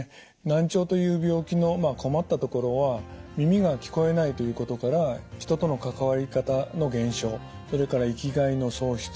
難聴という病気の困ったところは耳が聞こえないということから人との関わり方の減少それから生きがいの喪失